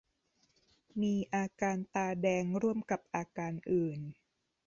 มีอาการตาแดงร่วมกับอาการอื่น